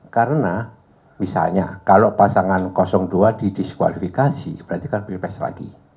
karena misalnya kalau pasangan dua didiskualifikasi berarti kan pilpres lagi